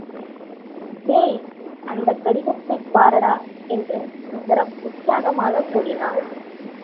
டேய், அந்தக் கடிதத்தைப் பாரடா என்று சுந்தரம் உற்சாகமாகக் கூறினான்.